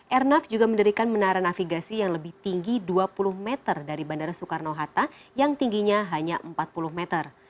airnav juga mendirikan menara navigasi yang lebih tinggi dua puluh meter dari bandara soekarno hatta yang tingginya hanya empat puluh meter